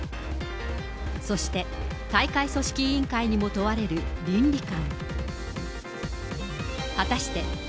そして大会組織委員会にも問われる倫理観。